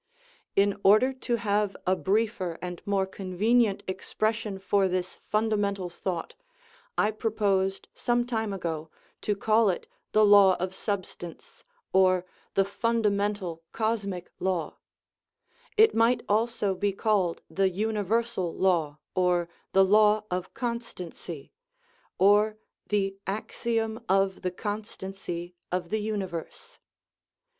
In order to have a briefer and more convenient expression for this fun damental thought, I proposed some time ago to call it the "law of substance" or the "fundamental cosmic law"; it might also be called the "universal law," or the " law of constancy," or the " axiom of the constancy of the universe."